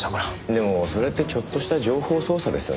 でもそれってちょっとした情報操作ですよね。